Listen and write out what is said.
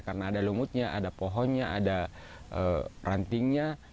karena ada lumutnya ada pohonnya ada rantingnya